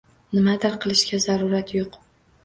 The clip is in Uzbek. Nimadir qilishga zarurat yo‘q